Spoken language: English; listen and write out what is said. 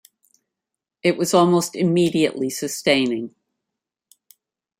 It was almost immediately sustaining.